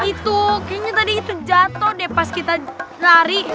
itu kayaknya tadi itu jatuh deh pas kita lari